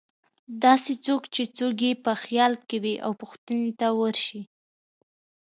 داسې څوک چې څوک یې په خیال کې وې او پوښتنې ته ورشي.